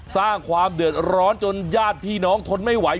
สร้างความเดือดร้อนจนญาติพี่น้องทนไม่ไหว